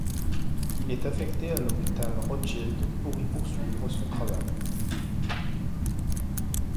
Il est affecté à l’hôpital Rothschild pour y poursuivre son travail.